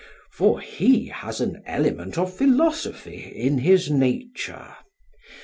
For he has an element of philosophy in his nature.